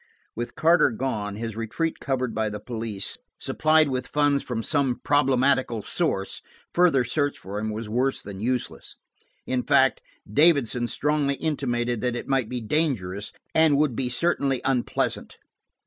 With Carter gone, his retreat covered by the police, supplied with funds from some problematical source, further search for him was worse than useless. In fact, Davidson strongly intimated that it might be dangerous and would be certainly unpleasant.